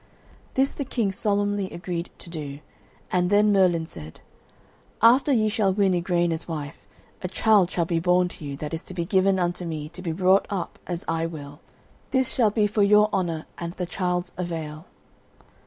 This the king solemnly agreed to do, and then Merlin said: "After ye shall win Igraine as wife, a child shall be born to you that is to be given unto me to be brought up as I will; this shall be for your honour and the child's avail."